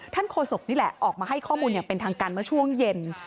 โฆษกนี่แหละออกมาให้ข้อมูลอย่างเป็นทางการเมื่อช่วงเย็น